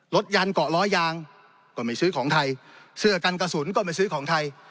ยันเกาะล้อยางก็ไม่ซื้อของไทยเสื้อกันกระสุนก็ไม่ซื้อของไทย